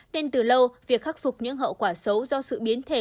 nên từ lâu việc khắc phục những hậu quả xấu do sự biến thể